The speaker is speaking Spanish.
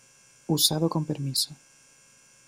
Usado con permiso.